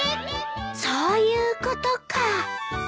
そういうことか。